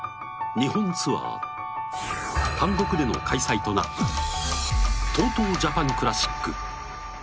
◆日本ツアー単独での開催となったＴＯＴＯジャパンクラシック。